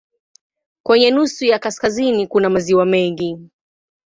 Kwenye nusu ya kaskazini kuna maziwa mengi.